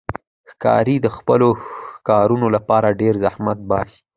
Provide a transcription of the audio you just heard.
ښکاري د خپلو ښکارونو لپاره ډېر زحمت باسي.